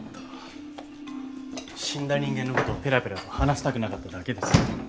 死んだ人間のことをぺらぺらと話したくなかっただけです。